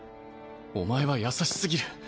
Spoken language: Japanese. お前は優しすぎる。